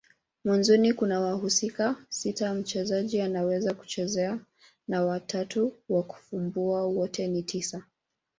Mwanzoni kuna wahusika sita mchezaji anaweza kuchezea na watatu wa kufumbua. Wote ni tisa.